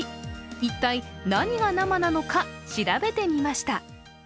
一体何が生なのか調べてみました。